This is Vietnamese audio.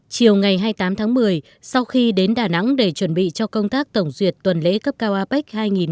chiều ngày hai mươi tám tháng một mươi sau khi đến đà nẵng để chuẩn bị cho công tác tổng duyệt tuần lễ cấp cao apec hai nghìn hai mươi